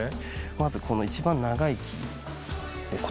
まずこの一番長いキーですね。